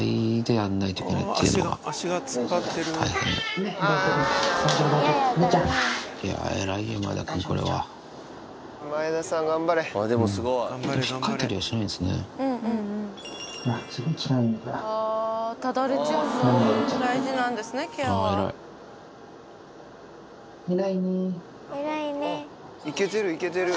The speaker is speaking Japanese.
あっいけてるいけてる。